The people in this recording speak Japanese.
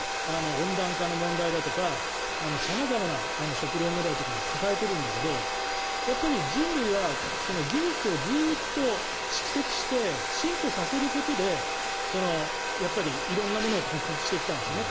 温暖化の問題だとか様々な食糧問題とかも抱えているんだけど人類は技術をずっと蓄積して進歩させることで色んなものを出してきたんですよね。